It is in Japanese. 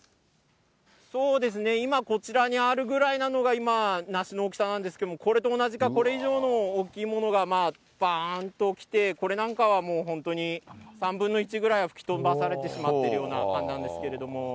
そうですね、今、こちらにあるぐらいなのが、今、なしの大きさなんですけれども、これと同じか、これ以上の大きいものが、ばーんと来て、これなんかは、もう本当に３分の１ぐらいは吹き飛ばされてしまっているような感じなんですけど。